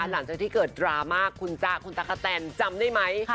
หลังจากที่เกิดดราม่าคุณจ๊ะคุณตะกะแตนจำได้ไหม